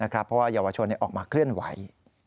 เพราะว่าเยาวชนออกมาเคลื่อนไหว